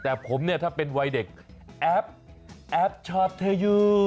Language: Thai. แต่ผมเนี่ยถ้าเป็นวัยเด็กแอปแอปชอบเทยู